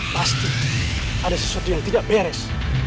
pasti ada sesuatu yang tidak beres